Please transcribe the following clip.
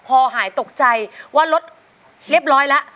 พอหายตกใจว่ารถเรียบร้อยแล้ว